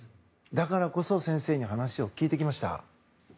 だからこそ先生に話を聞いてきました。